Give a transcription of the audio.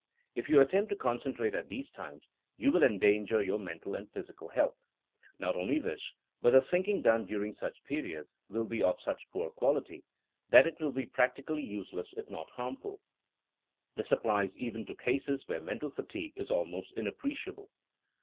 If you attempt to concen trate at these times you will endanger your men tal and physical health. Not only this, but the thinking done during such periods will be of such poor quality that it will be practically use less if not harmful. This applies even to cases where mental fatigue is almost inappreciable.